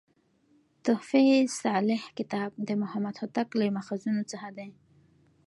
"تحفه صالح کتاب" د محمد هوتک له ماخذونو څخه دﺉ.